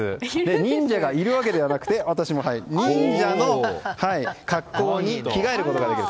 忍者がいるわけではなくて私も忍者の格好に着替えることができる。